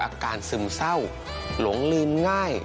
อาการซึมเศร้าหลงลีนง่าย